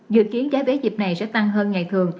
dự kiến giá vé dịp này sẽ tăng hơn ngày thường